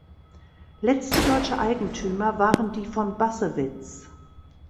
Letzte deutsche Eigentümer waren die von Bassewitz.